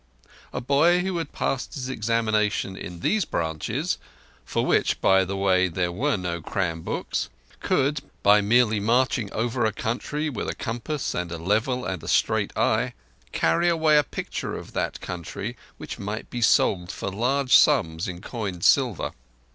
A boy who had passed his examination in these branches—for which, by the way, there were no cram books—could, by merely marching over a country with a compass and a level and a straight eye, carry away a picture of that country which might be sold for large sums in coined silver.